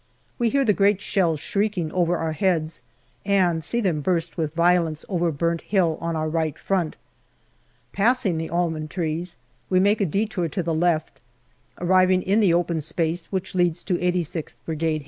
We hear the great shells shrieking over our heads, and see them burst with violence over Burnt Hill on our right front. Passing the almond trees, we make a detour to the left, arriving in the open space which leads to 86th Brigade H.Q.